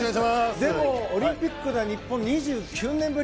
でもオリンピックが日本、２９年ぶり。